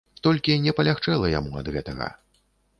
Толькі не палягчэла яму ад гэтага.